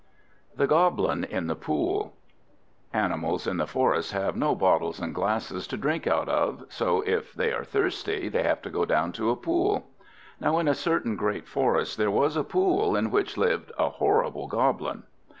THE GOBLIN IN THE POOL Animals in the forest have no bottles and glasses to drink out of, so if they are thirsty they have to go down to a pool. Now in a certain great forest there was a pool, in which lived a horrible Goblin.